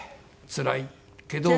つらいけど。